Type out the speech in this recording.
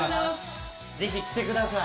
ぜひ着てください。